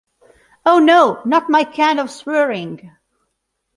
Oh no, not my kind of swearing.